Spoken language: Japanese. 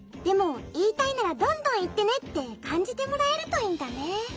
でもいいたいならどんどんいってね」ってかんじてもらえるといいんだね。